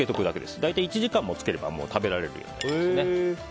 大体１時間も漬けると食べられるようになります。